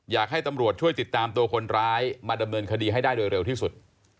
อยากให้ตำรวจช่วยติดตามตัวคนร้ายมาดำเนินคดีให้ได้โดยเร็วที่สุด